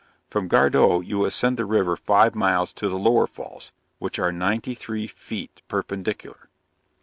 From Gardow you ascend the river five miles to the lower falls, which are ninety three feet perpendicular.